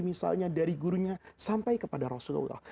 misalnya dari gurunya sampai kepada rasulullah